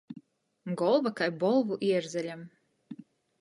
Golva kai Bolvu ierzeļam.